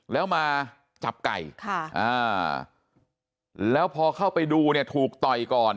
แล้วมาจับไก่แล้วพอเข้าไปดูเนี่ยถูกต่อยก่อน